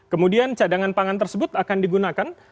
kemudian cadangan pangan tersebut akan digunakan